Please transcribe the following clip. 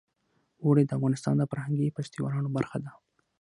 اوړي د افغانستان د فرهنګي فستیوالونو برخه ده.